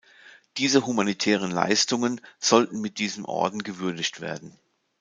Diese humanitären Leistungen sollten mit diesem Orden gewürdigt werden.